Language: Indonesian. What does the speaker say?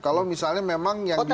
kalau misalnya memang yang di